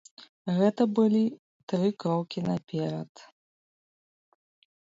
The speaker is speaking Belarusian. Гэта былі тры крокі наперад.